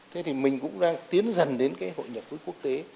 thế thì mình cũng đang tiến dần đến cái hội nhập với quốc tế